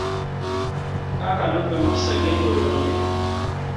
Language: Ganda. Kakano gwe Mukisa genda olonde.